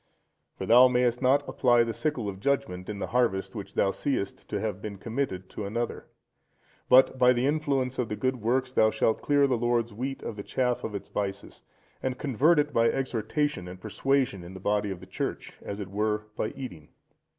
(128) For thou mayest not apply the sickle of judgement in that harvest which thou seest to have been committed to another; but by the influence of good works thou shalt clear the Lord's wheat of the chaff of its vices, and convert it by exhortation and persuasion in the body of the Church, as it were, by eating.